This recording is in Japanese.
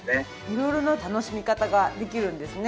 色々な楽しみ方ができるんですね。